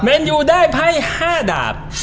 เมนูได้ไพ่๕ดาบ